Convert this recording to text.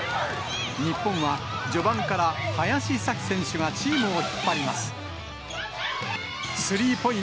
日本は序盤から林咲希選手がチームを引っ張ります。